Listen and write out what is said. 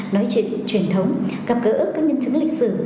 nói chuyện truyền thống gặp gỡ các nhân chứng lịch sử